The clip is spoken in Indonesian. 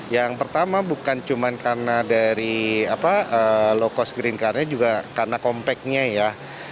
yang pertama bukan cuma karena dari low cost green car nya juga karena compact nya ya